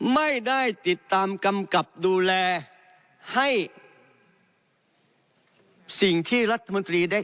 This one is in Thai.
ไม่ได้ติดตามกำกับดูแลให้สิ่งที่รัฐมนตรีได้